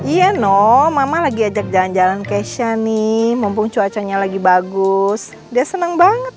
iya no mama lagi ajak jalan jalan kesha nih mumpung cuacanya lagi bagus dia senang banget